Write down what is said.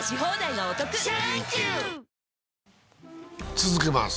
続けます。